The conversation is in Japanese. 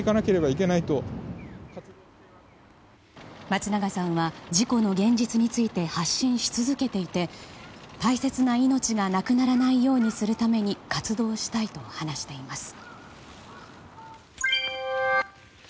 松永さんは事故の現実について発信し続けていて、大切な命がなくならないようにするために活動したいと話しています。